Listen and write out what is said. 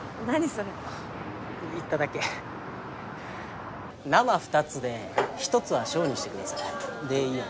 それ言っただけ生２つで１つは小にしてくださいでいいよね？